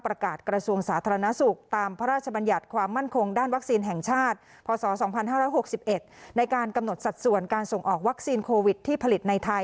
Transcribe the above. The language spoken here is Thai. เพื่อให้เข้าใจตกกันครับผม